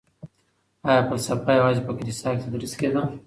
آیا فلسفه یوازې په کلیسا کي تدریس کیده؟